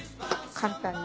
簡単に。